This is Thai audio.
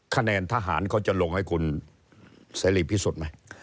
คะแนนทหารเขาจะลงให้คุณใส่หลีกพิสูจน์ไหม